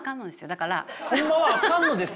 だから。ホンマはアカンのですよ？